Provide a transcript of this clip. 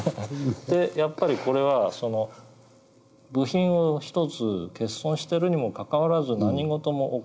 でやっぱりこれはその部品を１つ欠損してるにもかかわらず何事も起こらないという事の方に。